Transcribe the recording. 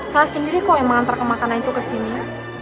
saya sendiri kok yang mengantar kemakanan itu ke sini